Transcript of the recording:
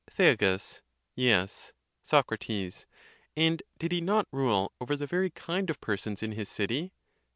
Thea. Yes. Soc. And did he not rule over the very kind of persons in his city